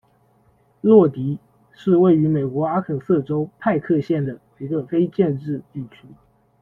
洛迪是位于美国阿肯色州派克县的一个非建制地区。